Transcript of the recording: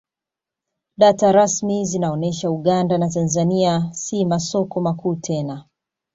Data rasmi zinaonesha Uganda na Tanzania si masoko makuu tena